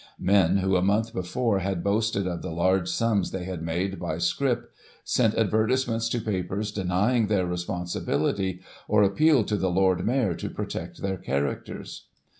Men who, a month before, had boasted of the large sums they had made by scrip, sent advertisements to papers denying their responsibility, or appealed to the Lord Mayor to protect their characters.